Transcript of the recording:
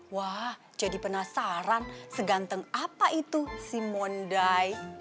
wah jadi penasaran seganteng apa itu si mondai